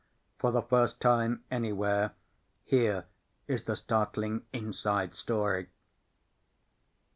For the first time anywhere, here is the startling inside story.